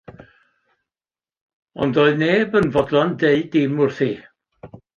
Ond doedd neb yn fodlon dweud dim wrthi.